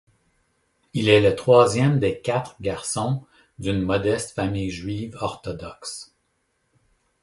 Il est le troisième des quatre garçons d'une modeste famille juive orthodoxe.